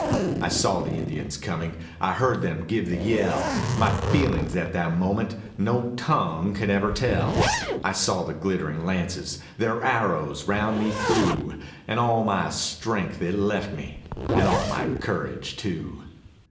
I saw the Indians coming, I heard them give the yell; My feelings at that moment, no tongue can ever tell. I saw the glittering lances, their arrows round me flew, And all my strength it left me and all my courage too.